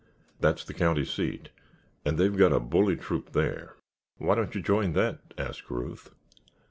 That's the county seat and they've got a bully troop there." "Why don't you join that?" asked Ruth.